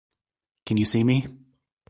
Can you see me?